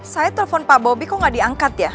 saya telepon pak bobi kok gak diangkat ya